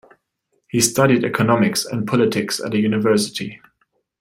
He studied economics and politics at a university.